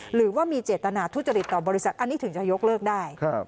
หรือว่ามีเจตนาทุจริตต่อบริษัทอันนี้ถึงจะยกเลิกได้